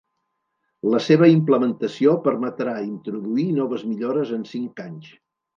La seva implementació permetrà introduir noves millores en cinc anys.